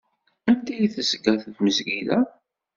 Anda i d-tezga tmezgida?